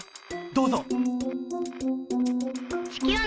どうぞ」。